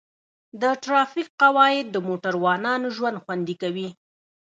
د ټرافیک قواعد د موټروانو ژوند خوندي کوي.